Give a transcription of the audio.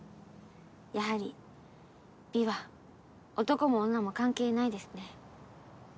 やはり美は男も女も関係ないですね